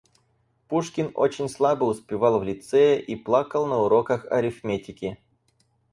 Пушкин очень слабо успевал в Лицее и плакал на уроках арифметики.